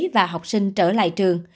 và học sinh trở lại trường